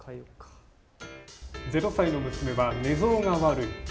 ゼロ歳の娘は寝相が悪い。